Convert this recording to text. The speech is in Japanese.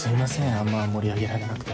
あんま盛り上げられなくて。